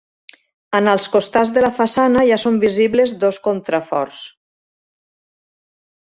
En els costats de la façana ja són visibles dos contraforts.